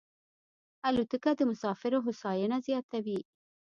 الوتکه د مسافرو هوساینه زیاتوي.